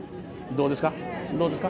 どうですか？